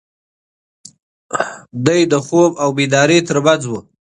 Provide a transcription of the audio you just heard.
دی د خوب او بیدارۍ تر منځ و.